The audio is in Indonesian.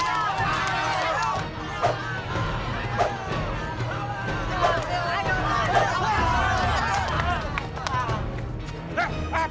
saya pasti kalahkan kamu